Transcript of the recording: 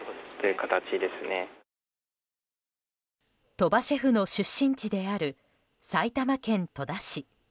鳥羽シェフの出身地である埼玉県戸田市。